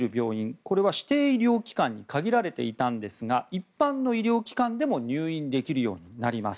これは指定医療機関に限られていたんですが一般の医療機関でも入院できるようになります。